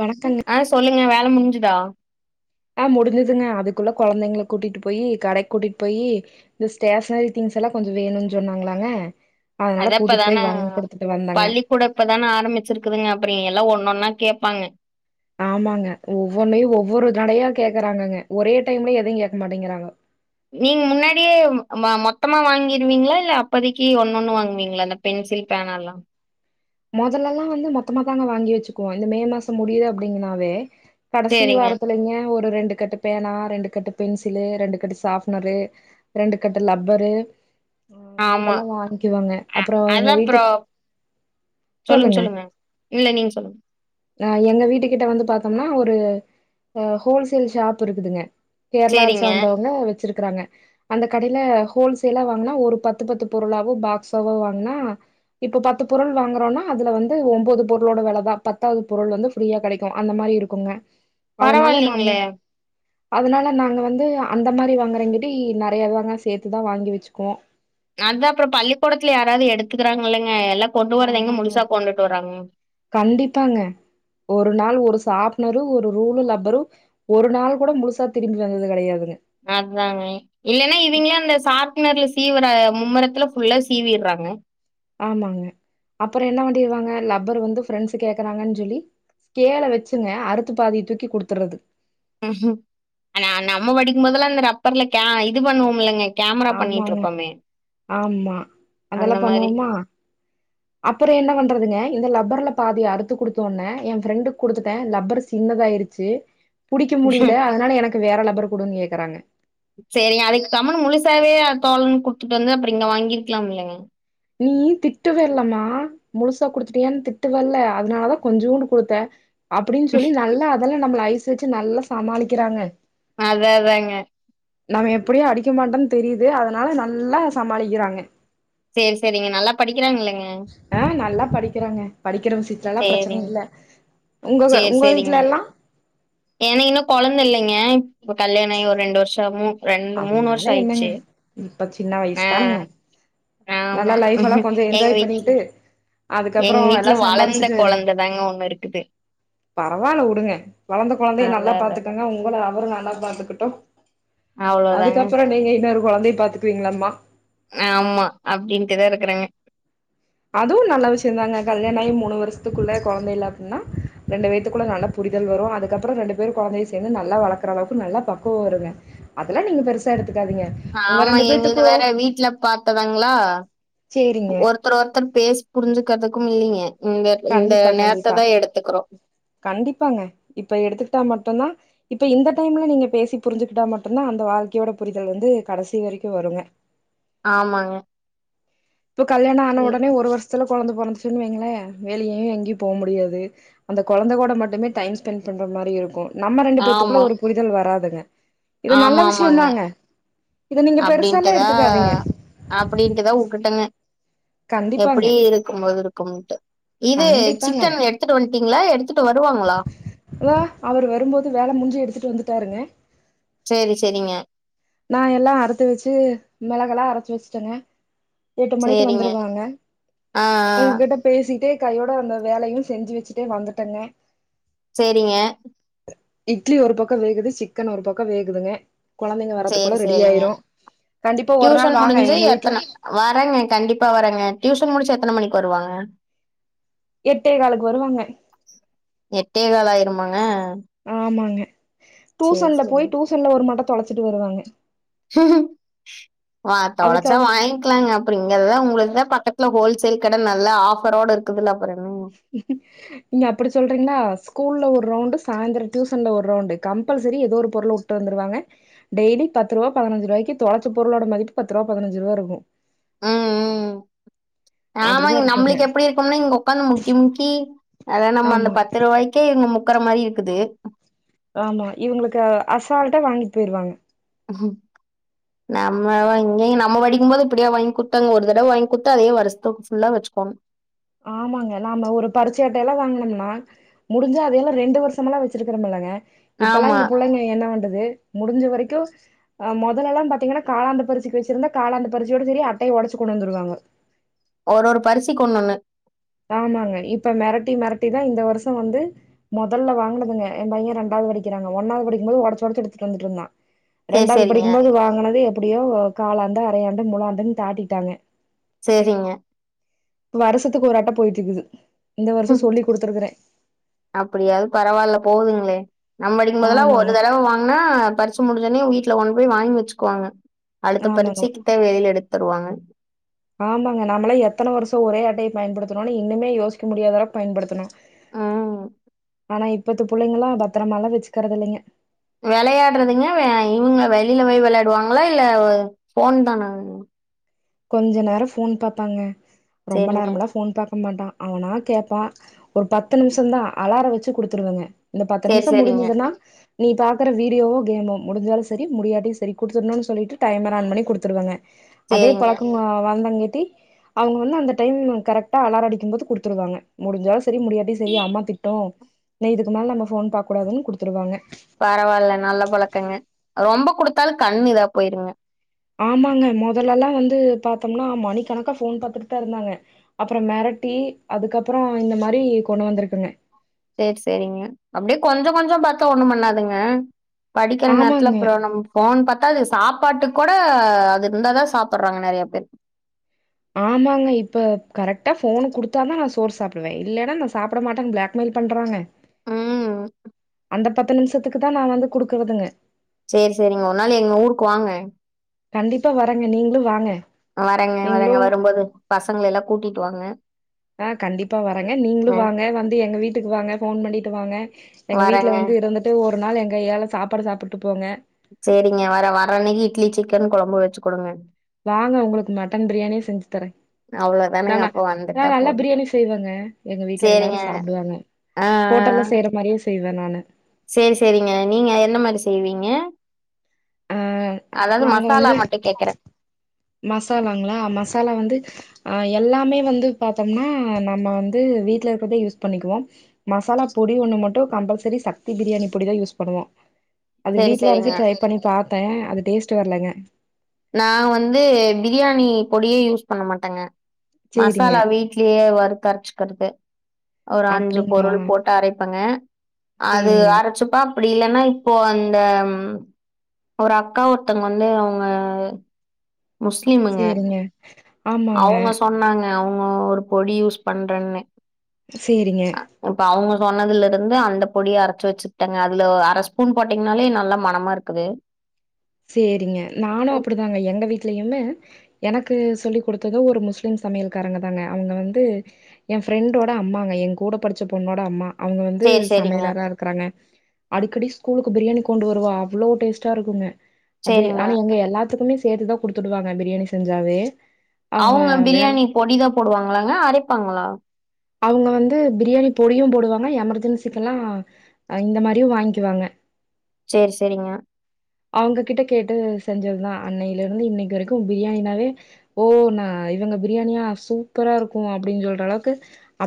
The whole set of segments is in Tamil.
வணக்கங்க ஆஹ் சொல்லுங்க வேபு முடிஞ்சுதா ஆஹ் முடிஞ்சுதுங்க அதுக்குள்ள குழந்தைங்க கூட்டிட்டு போய் கடை கூட்டிட்டு போயி இந்த ஸ்டேஷனரி திங்ஸ் எல்லாம் கொஞ்சம் வேணும்னு சொன்னாங்களாங்க அதனால அத கூட்டிட்டு இப்பதானே போய் வாங்கி குடுத்துட்டு வந்தங்க பள்ளிக்கூட இப்பதானே ஆரம்பிச்சிருக்குதுங்க அப்பறங்க எல்ல எல்லாம் ஒன்னொன்னா கேட்பாங்க ஆமாங்க ஒவ்வொன்னமையும் ஒவ்வொரு தடைய்ய கேக்குறாங்க ஒரே டைம்ல எதுையும் கேட்க மாட்டேங்கிறாங்க நீங்க முன்னாடியே மொத்தமா வாங்கிருவீங்களா இல்ல அப்போதைக்குி ஒன்னு ஒண்ணு வாங்குவீங்களா அந்த பென்சில் பேனா எல்லாம் முதல்லெல்லாம் வந்து மொத்தமாத்தாங்க வாங்கி வச்சுக்குவோம் இந்த மே மாசம் முடியுது அப்படிங்கனாவே கடைசி சேரிங்க வாரத்துலங்க ஒரு ரெண்டு கட்டு பேனா ரெண்டு கட்டு பென்சிலு ரெண்டு கட்டு சஷாப்னரு ரெண்டு கட்டு லப்பரு ஆஹ் ஆமா இதெல்லாம் வாங்கி வாங்க அப்புறம் அதா எங்க அப்புறோ வீட்டுக்கு சொல்லுங்க சொல்லுங்க இல்ல நீங்க சொல்லுங்க அஹ் எங்க வீட்டு கிட்ட வந்து பாத்தோம்னா ஒரு ஹோல்சேல் ஷாப் இருக்குதுங்க கேரளாவ சேரிங்க சார்ந்தவங்க வச்சிருக்க இருறாங்க அந்த கடில ஹோல்சேலா வாங்கினா ஒரு பத்து பத்து பொருளாவோ பாக்ஸாவோ வாங்கினா இப்ப பத்துத்து பொருள் வாங்குறோம்னா அதுல வந்து ஒன்பது பொருளோட விலைதா பத்தாவது பொருள் வந்து ஃப்ரீயா கிடைக்கும் அந்த மாதிரி இருக்குங்க அதனால நாங்க பரவாயில்லலைங்களே அதனால நாங்க வந்து அந்த மாதிரி வாங்குறங்கி நிறைய தாங்க சேர்த்துதான் வாங்கி வச்சுக்குவோம் அது அப்புறம் பள்ளிக்கூடத்துல யாராவது எடுத்துக்கிறாங்க இல்லைங்கள ஆமாங்க கண்டிப்பாங்க ஒரு நாள் ஒரு சாப்பனரும் ஒரு ரூலும் லப்பரும் ஒரு நாள் கூட முழுசா திரும்பி வந்தது கிடையாதுங்க அதாங்க இல்லலைன்னா இவங்களாம் அந்த சாஃப்ட்னர் சீவிர மும்முரத்துல ஃபுல்லா சீவிடுறாங்க ஆமாங்க அப்புறம் என்ன பண்ணிருவாங்க லப்பர் வந்து ஃப்ரெண்ட்ஸ் கேக்குறாங்கன்னு சொல்லி் கேல வச்சுங்க அறுத்து பாதி தூக்கி குடுத்துறது ஹம்ம் ஆனா நம்ம படிக்கும்போதெல்லாம் அந்த ரப்பர்ல இது பண்ணுவோம்லங்க கேமரா ஆமாங்க பண்ணிட்ருப்போமே. ஆமா அந்த அதெல்லாம் மாரி. பண்ணுவோமா அப்புறம் என்ன பண்றதுங்க இந்த லப்பர்ல பாதி அறுத்து குடுத்த உனே என் ஃப்ரெண்டுக்கு குடுத்துட்டேன் லப்பர் சின்னதாயடுச்சு புடிக்க முடியல அதனால எனக்கு வேற லப்பர் கூடும்னு கேக்குறாங்க சரி அதுக்கு கம்முன் முழுசாவே தோ குடுத்துட்டு வந்து அப்புறம் இங்க வாங்கிருக்கலாம் இல்லைங்க நீ திட்டுவ இல்லமா முழுசா குடுத்துட்டேன்னு திட்டுவ இல்ல அதனால தான் கொஞ்சூண்டு கொடுத்தேன் அப்டின்னு சொல்லி நல்லா அதெல்லா நம்மள ஐஸ் வச்சு நல்லா சமாளிக்கிறாங்க அத தாங்க நம்ம எப்டியு அடிக்க மாட்டோன்னு தெரியுது அதனால நல்லா சமாளிக்கிறாங்க செரி செரிங்க நல்லா படி அ நல்லா படிக்கிறாங்க படிக்கிற விசி த்லல்லா பிரச்சினை இல்ல உங்க சேர் உங்க சேரிங்க வீட்லல்லா ஏனா இன்னு கொழந்த இல்லைங்க இப்ப கல்யாண ஆயி ஒர் ரெண்டு வர்ஷ ஆமு ரண்டு மூணு வர்ஷோ ஆயிருச்சு ப்ப சின்ன வயசு தானுங்க ஆமா. நல்லா லைஃப்பலா கொஞ்சோ எங்க என்ஜாய் வீட்ல பண்ணிட்டு எங்க அதுக்கப்புறோ வீட்ல எல்லா வளர்ந்த சம்பாரிச்சுட்டு குழந்த தாங்க ஒண்ணு இருக்குது. பரவால்ல உடுங்க வளந்த கொழந்தய நல்லா அதான் அதான். பாத்துக்கங்க உங்கள அவுர நல்லா பாத்துக்கிட்டு அவ்வளோதாங்க. அதுக்கப்புறோ நீங்க இன்னொரு கொழந்தய பாத்துக்வீங்ளாம்மா ஆமா அப்டின்ட்டுதா இருக்கறங்க அதுவு நல்ல விஷ்யந்தாங்க கல்யாண ஆயி மூணு வருஷ்த்துக்குள்ள கொழந்தை இல்ல அப்பின்னா ரெண்டு வேத்துக்குள்ள நல்ல புரிதல் வரு அதுக்கப்புறோ ரெண்டு பேரு கொழந்தய சேந்து நல்லா வளக்கற அளவுக்கு நல்லா பக்குவோ வருங்க அதலா நீங்க பெருசா எடு ஆமா எங்குள்து வேற வீட்ல பாத்ததாங்ளா சேரிங்க ஒருத்தர் ஒருத்தர் பேசி புரிஞ்சுக்கிறதுக்கும் இ ங்க கண்டிப்பா கண்டிப்பா கண்டிப்பாங்க இப்ப எடுத்துக்கிட்டா மட்டுந்தா இப்ப இந்த டைம்ல நீங்க பேசி புரிஞ்சுகிட்டா மட்டுந்தா அந்த வாழ்க்கையோட புரிதல் வந்து கடைசி வரைக்கு வருங்க ஆமாங்க இப்ப கல்யாண ஆன சரி உடனே ஒரு வருஷ் த்தில கொழந்த பொறந்துச்சுன் வெய்ங்ளே வெளியயு எங்கியு போவ் முடியாது அந்த கொழந்த கோட மட்டுமே டைம் ஸ்பெண் பண்ற மாரி இருக்கு நம்ம ரெண்டு பேத்துக்குள்ள ஆமா ஒரு புரிதல் வராது அ ஆமா ஆமாங்க இத நீங்க பெருசாலா அப்டின்ட்டுதா எடுத்துக்காதீங்க அப்டின்ட்டுதா உ ட்டங்க கண்டிப்பாங்க எப்பிடியு இருக்கும்போது இருக்கும்ட்டு இது கண்டிப்பாங்க சிக்கன் எடுத்துட்டு வந்ட்டீங்ளா எடுத்துட்டு வருவாங்ளா தாருங்க செரி செரிங்க நான் எல்லா அறுத்து வெச்சு மிளகெல்லா அரச்சு வெச்ட்டங்க எட்டு மணிக்கு சரிங்க வந்துருவாங்க ஆ ஆ, உங்ககிட்ட பேசிட்டே கையோட அந்த வேலையு செஞ்சு வெச்சுட்டே வந்துட்டங்க சேரிங்க இட்லி ஒரு பக்கோ வேகுது சிக்கன் ஒரு பக்கோ வேகுதுங்க கொழந்தைங்க வர சேரி சேரிங்க ஒரு நாள் டியூசன் வாங்க முடிஞ்சு எங்க வீட்ல எத்தன வரங்க கண்டிப்பா வரங்க டியூசன் முடிச்சு எத்தன மணி வருவாங்க எட்டே கால்க்கு வருவாங்க எட்டே கால் ஆயிருமாங்க ஆமாங்க சேரி டூசன்ல சேரி போய் டூசன்ல ஒரு மடத் தொலைச்சிட்டு வருவாங்க வா தொலைச்சா அதுக்காக வாங்கிக்கலாங்க அப்புறோ இங்கதா உங்களுக்குதா பக்கத் துல ஹோல்சேல் கட நல்ல ஆஃபர்ரோட இருக்குதுல்ல அப்புறம் என்ன ம் நீங்க அப்புடி சொல்றீங்களா ஸ்கூல்ல ஒரு ரவுண்ட் சாயந்தரம் டியூசன்ல ஒரு ரவுண்டு கம்பல்சரி ஏதோ ஒரு பொருள் உட்டு வந்துருவாங்க டெய்லி பத்து ரூபா பதனாஞ்சு ரூபாய்க்கு தொலைச்ச பொருளோட மதிப்பு பத்து ரூபா பதானஞ்சு ரூபா இருக்கு அ அ ஆமா அப்டிதா இருக்குங்க நம்மளுக்கு எப்புடி இருக்கும்னா இங்க உக்காந்து முக்கி முக்கி அ அத நம்ம அந்த ஆமா பத்து ரூபாய்க்கே இங்க முக் க்கற மாரி இருக்குது ஆமா இவுங்களுக்கு அசால்ட்டா வாங்கிட்டு போயிருவாங்க நம்ம வா இங்கேயு நம்ம படிக்கும் போது இப்படியா வாங்கி குடுத்தாங்க ஒரு தடவை வாங்கி குடுத்தா அதே வருஷத்துக்கு ஃபுல்லா வச்சுக்கோணு ஆமாங்க நாம ஒரு பருச்சை அட்டையெல்லா வாங்கனம்னா முடிஞ்சா அதையெல்லா ரெண்டு வருஷமெல்லா வெச்சிருக்கிறோமல்லங்க இப்பல்லா ஆமா இந்த புள்ளைங்க என்ன வண்டுது முடிஞ்ச வரைக்கு ஆஹ் முதலெல்லா பாத்தீங்ன்னா காலாண்டு பரிட்சிக்கு வச்சிருந்தா காலாண்டு பரிட்சியோட சரி அட்டையை ஒடைச்சு கொண்டு வந்துருவாங்க ஒரு ஒரு பரிட்சிக்கு ஒண்ணு ஒன்னு ஆமாங்க இப்ப மெரட்டி மெரட்டி தா இந்த வருஷோ வந்து மொதல்ல வாங்குனதுங்க ஏ பையே ரெண்டாவது வடிக்கிறாங்க ஒன்னாவது படிக்கும்போது ஒடச்சோடச்சு எடுத்துட்டு வந்துட்டுருந்தா சேரி ரெண்டாவது சேரிங்க படிக்கும்போது வாங்குனது அப்டியோ காலாண்டு அரையாண்டு மூழாண்டுன்னு தாட்டிட்டாங்க சேரிங்க வருஷத்துக்கு ஒரு அட்ட போயிட்ருக்குது அப்டியாது பரவால்ல போதுங்ளே நம் படிக்கும் போதலா ஒரு ஆமாங்க தடவ வாங்குனா பரிச்ச முடிஞ்சவுனே வீட்ல இல்ல ஒண்ணு போய் வாங்கி வெச்சுக்குவாங்க அடுத்த ஆமாங்க பரிச்சைக்கு தேவை வெளியில எடுத் தருவாங்க ஆமாங்க நாம்மளா எத்தன வருஷோ ஒரே அட்டையே பயன்படுத்தணுன்னு இன்னுமே யோசிக்க முடியாதளவுக்கு பயன்படுத்தணு ம் ஆனா இப்பத்து புள்ளைங்களா பத்தரமல்லா வெச்சுக்கறது இல்லைங்க வெளையாடுறதுங்க இவுங்க வெளியில போய் வெள்ளாடுவாங்களா இல்ல ஃபோன் தானா கொஞ்ச நேரோ ஃபோன் பாப்பாங்க ரொம்ப சேரிங்க நேரமெல்லா ஃபோன் பாக் க்க மாட்டா அவனா கேட்பா ஒரு பத்து நிமிஷம் தா அலார வெச்சு குடுத்துருவங்க இந்த பத்து சேரி நிமிஷோ சேரிங்க முடிஞ்சதுன்னா நீ பா க்கற வீடியோவு கேமும் முடிஞ்சாலு செரி முடியாட்டியு செரி குடுத்துர்ணுன்னு சொல்லிட்டு டைமரா ஆன் பண்ணி குடுத்துடுவாங்க அதே சேரிங்க பழக்கமா வந்தாங்க அவங்க வந்து அந்த டைம் கரக்டா அலாரம் அடிக்கும் போது குடுத்துருவாங்க முடிஞ்சா செரி முடியாட்டி செரி அம்மா திட்டும் இதுக்கு மேலா நம்ம போன் பாக்க கூடாதுன்னு குடுத்துருவாங்க பரவால்ல நல்ல பழக்கங்க ரொம்ப கொடுத்தாலு கண் இதா போயிருங்க ஆமாங்க மொதல்லல்லா வந்து பார்த்தோம்னா மணிக்கணக்கா போன் பாத்துட்டு தா இருந்தாங்க அப்புறம் மெரட்டி அதுக்கப்புறம் இந்த மாரி கொண்டு வந்திருக்குங்க செரி செரிங்க அப்படியே கொஞ்ச கொஞ்ச பாத்தா ஒண்ணு பண்ணாதுங்க படிக்கிற நேரத்துல ஆமாங்க, அப்புறம் நம்ம போன் பாத்தா அது சாப்பாட்டுக் கொட அது இருந்தாதா சாப்படுறாங்க நிறைய பேரு ஆமாங்க இப்ப கரெக்டா போனு குடுத்தா தா நா சோர் சாப்பிடுவே இல்லனா நா சாப்பிட மாட்டேன் பிளாக்மெயில் பண்றாங்க ம் அந்த பத்து நிமிஷத்துக்கு தா நா வந்து குடுக்குறதுங்க செரி செரிங்க ஒரு நாள் எங்க ஊருக்கு வாங்க கண்டிப்பா வரங்க நீங்களு வாங்க வரேங்க வரேங்க நீங்களும் வரும்போது பசங்கள எல்லா கூட்டிட்டு வாங்க ஆ கண்டிப்பா வரங்க அ நீங்களும் வாங்க வந்து எங்க வீ வீட்டுக்கு வாங்க போன் பண்ணிட்டு வாங்க எங்க வீட்டு்ல வரேங்க வந்து இருந்துட்டு ஓர் ஒரு நாள் எ கையயால சாப்பாடு சாப்பிட்டு போங்க செரிங்க வர வரஅன்னைக்கு இட்லி சிக்கன் குழம்பு வச்சு கொடுங்க வாங்க உங்களுக்கு மட்டன் பிரியாணியே செஞ்சு தரே நா அவ்ளோதானுங்க அப்ப வந்துட்டா நல்லா போது பிரியாணி செய்வாங்க எங்க வீட்டுல சேரிங்க எல்லாரு சாப்பிடுவாங்க ஹோட்டல்ல செய்யற மாரியே செய் வ நானு செரி செரிங்க நீங்க என்ன மாரி செய்வீங்க ஆ அதாவது நாங்க மசாலா வந்து மட்டு கேக்குறே மசாலாங்களா மசாலா வந்து ஆ எல்லாமே வந்து பாத்தோம்னா நம்ம வந்து வீட்டுல இருக்கிறதே யூஸ் பண்ணிக்குவோ மசாலா பொடி ஒண்ணு மட்டும் கம்பல்சரி சக்தி பிரியாணி பொடிதா யூஸ் பண்ணுவோம் அது சேரி வீட்டுல அரச்சி சேரிங்க ட்ரை பண்ணி பாத்தே அது டேஸ்ட் வரலங்க நா வந்து பிரியாணி பொடியே யூஸ் பண்ண மாட்டேங்க சேரிங்க மசாலா வீட்லயே வருக்க அரைச்சக்கறது ஒரு அஞ்சு அப்டிங்களா பொருள் போட்டு அரைப்பங்க அது சேரிங்க அரைச்சுப்பா அப்படி இல்லன்னா இப்போ அந்த ஒரு அக்கா ஒருத்தங்க வந்து அவங்க ஆ செரிங்க அவங்க சொன்னாங் க அவுங்க ஒரு பொடி யூஸ் பண்றேன்னு சேரிங்க சொன்னதுல இருந்து அந்த பொடிய அரைச்சு வச்சுட்டேங்க அதுல அர ஸ்பூன் போட்டிங்ன்னாலே நல்லா மணமா இருக்குது சேரிங்க நானு ம். அப்டிதாங்க எங்க வீட்லயுமு எனக்கு சொல்லிக் குடுத்தது ஒரு முஸ்லீம் சமையல்காரங்க தாங்க அவுங்க வந்து எ ஃப்ரெண்டோட அம்மாங்க எ கூட படிச்ச பொண்ணோட அம்மா அவுங்க வந்து சரி, சரிங்க. சமையலாதா இருக்கறாங்க அடிக்கடி ஸ்கூலுக்கு பிரியாணி கொண்டு வருவா அவ்ளோ டேஸ்ட்டா இருக்குங்க அப்டி சரிங்க. ஆனா எங்க எல்லாத்துக்குமே சேத்துதா குடுத்துடுவாங்க பிரியாணி செஞ்சாவே அவங்க அவ்ங்க வே பிரியாணி பொடிதா போடுவாங்களாங்க அரைப்பாங்களா அவ்ங்க வந்து பிரியாணி பொடியு போடுவாங்க எமெர்கெனசிக்கலா இந்த மாறியு வாய்ங்கிவாங்க சேரி செரிங்க அவ்ங்க கிட்ட கேட்டு செஞ்சதுதா அன்னைல இருந்து இன்னைக்கு வரைக்கு பிரியாணினாவே ஓ நா இவங்க பிரியாணியா சூப்பரா இருக்கு அப்டின்னு சொல்ற அளவுக்கு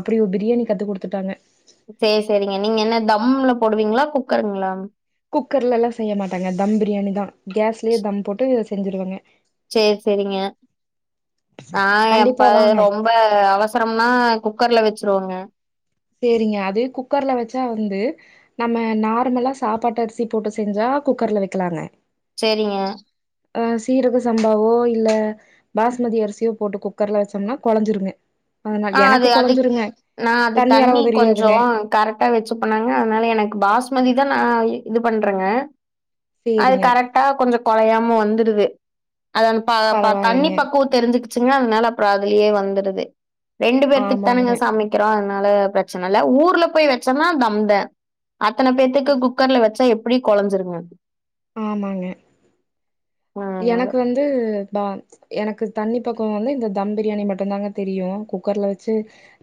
அப்டி ஒரு பிரியாணி கத்து குடுத்துட்டாங்க செரி செரிங்க நீங்க என்ன தம்ல போடுவீங்களா குக்கருங்களா குக்கர்ல எல்லா செய்ய மாட்டங்க தம் பிரியாணி தா கேஸ்லயே தம் போட்டு செஞ்சர்வங்க செரி செரிங்க நா கண்டிப்பா எப்பாது வாங்க ரொம்ப அவசரம்னா குக்கர்ல வச்ருவோங்க செரிங்க அது குக்கர்ல வச்சா வந்து நம்ம நார்மலா சாப்பாட்டு அரிசி போட்டு செஞ்சா குக்கர்ல வைக்கலாங்க செரிங்க அஹ் சீரக சம்பாவோ இல்ல பாஸ்மதி அரிசியோ போட்டு குக்கர்ல வச்சோம்னா கொழஞ்சிருங்க அதனால ஆஹ் எனக்கு அது அது கொழஞ்சிருங்க நா அது அளவு தண்ணி கொஞ்சோ தெரியாதுங்க கரெக்டா வச்சு பனாங்க அதனால எனக்கு பாஸ்மதி தா நா இது பண்றேங்க அது சேரிங்க கரெக்டா கொஞ்சோ கொலையாம வந்துடுது அதப்பா தண்ணி பரவாயில்லைங்க பக்குவோ தெரிஞ்சுக் ச்சுங்கன்னா அதனால அப்ரோ அதுலயே வந்துருது ரெண்டு பேத்க்கு தானங்க ஆமாங்க சமைக்கறோ அதனால பரச்சன இல்ல ஊர்ல போய் வச்சோனா தம் தெ அத்தன பேத்துக்கு குக்கர்ல வச்சா எப் எப்டி கொலஞ்சுருங்க ஆமாங்க அதனால. எனக்கு வந்து பா எனக்கு தண்ணி பக்குவோ வந்து இந்த தம் பிரியாணி மட்டு தாங்க தெரியு குக்கர்ல வச்சு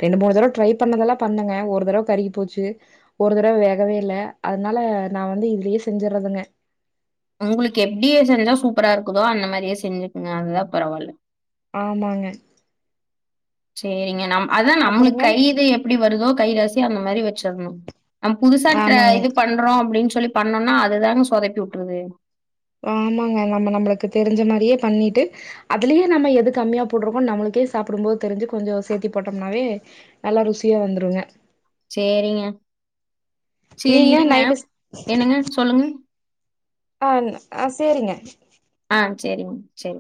ரெண்டு மூணு தடவ ட்ரை பண்ணதெல்லா பண்ணங்க ஒரு தடவை கருகி போச்சு ஒரு தடவ வேகவே இல்ல அதனால நா வந்து இதுலயே செஞ்சறதுங்க உங்களுக்கு எப்டியே செஞ்சா சூப்பரா இருக்குதோ அந்த மாரியே செஞ்சுக்குங்க அதுதா பரவால்ல ஆமாங்க செரிங்க நம் அதா நம்மளுக்கு அப்புறங்க கை இது எப்டி வருதோ கைரச அந்த மாரி வெச்சர்னு நம் புதுசா ற்ற ஆமாங்க இது பண்றோ அப்டின்னுசொ சொல்லி பண்ணோனா அதுதாங்க சொதப்பி விட்டுருது ஆமாங்க நம்ம நம்மளுக்கு தெரிஞ்ச மாரியே பண்ணிட்டு அதுலயே நம்ம எது கம்மியா போடுறோ நம்மளுக்கே சாப்டும்போது தெரிஞ்சு கொஞ்ச சேத்தி போட்டோம்னாவே நல்லா ருசியா வந்துருங்க சரிங்க சரி நீங்க இருங்க நைட்டு ஸ் என்னங்க சொல்லுங்க அஹ் ஆஹ் சரிங்க ஆ சரிங்க சரி